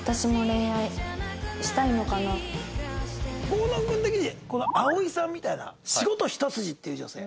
郷敦君的にこの葵さんみたいな仕事一筋っていう女性？